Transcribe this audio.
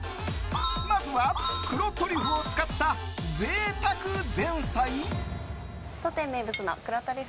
まずは黒トリュフを使った贅沢前菜？